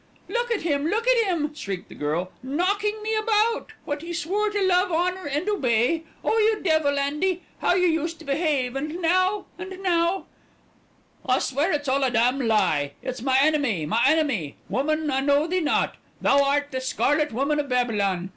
"Look at 'im! Look at 'im!" shrieked the girl, "knocking me about, what he swore to love, honour and obey. Oh, you devil, Andy! How you used to behave, and now and now " "I swear it's all a damned lee! It's ma enemy ma enemy. Woman, I know thee not! Thou art the scarlet woman of Babylon!